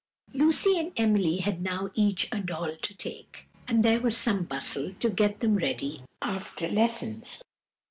Lucy and Emily had now each a doll to take, and there was some bustle to get them ready after lessons.